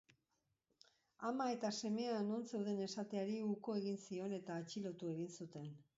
Ama eta semea non zeuden esateari uko egin zion eta atxilotu egin zuten.